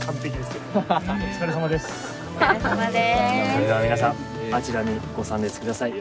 それでは皆さんあちらにご参列ください。